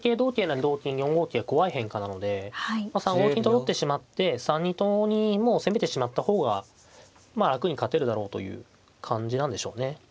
４五桂は怖い変化なので３五金と取ってしまって３二とにもう攻めてしまった方が楽に勝てるだろうという感じなんでしょうね。